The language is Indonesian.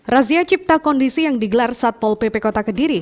razia cipta kondisi yang digelar satpol pp kota kediri